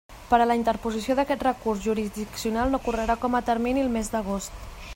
Per a la interposició d'aquest recurs jurisdiccional no correrà com a termini el mes d'agost.